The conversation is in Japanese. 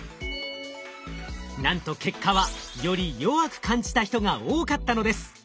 なんと結果はより弱く感じた人が多かったのです。